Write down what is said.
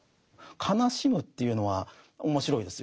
悲しむというのは面白いですよね。